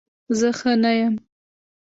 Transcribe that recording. زه ښه نه یم